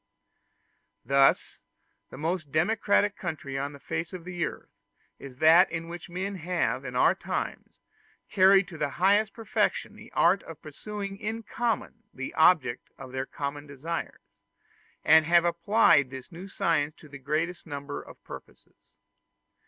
Thus the most democratic country on the face of the earth is that in which men have in our time carried to the highest perfection the art of pursuing in common the object of their common desires, and have applied this new science to the greatest number of purposes.